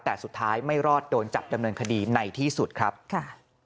แต่สุดท้ายไม่รอดโดนจับดำเนินคดีในที่สุดครับค่ะ